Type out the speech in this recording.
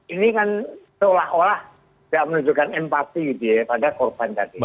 ini kan seolah olah tidak menunjukkan empati gitu ya pada korban tadi